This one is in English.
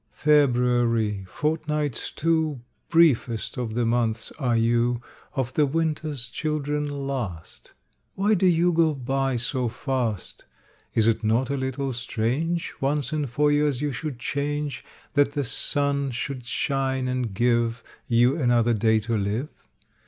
FEBRUARY, fortnights two Briefest of the months are you, Of the winter's children last. Why do you go by so fast? Is it not a little strange Once in four years you should change, That the sun should shine and give You another day to live?